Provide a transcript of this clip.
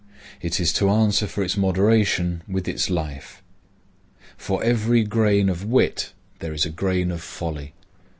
It is to answer for its moderation with its life. For every grain of wit there is a grain of folly.